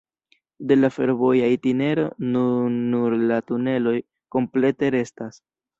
De la fervoja itinero nun nur la tuneloj komplete restas.